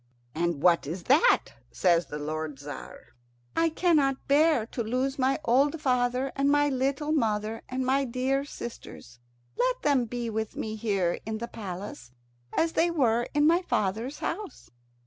"And what is that?" says the lord Tzar. "I cannot bear to lose my old father and my little mother and my dear sisters. Let them be with me here in the palace, as they were in my father's house."